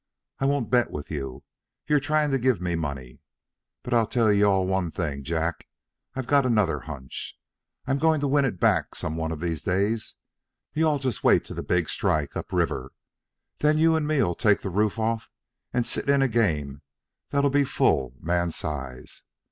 I won't bet with you. You're trying to give me money. But I tell you all one thing, Jack, I got another hunch. I'm goin' to win it back some one of these days. You all just wait till the big strike up river. Then you and me'll take the roof off and sit in a game that'll be full man's size.